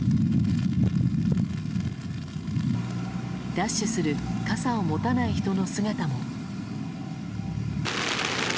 ダッシュする傘を持たない人の姿も。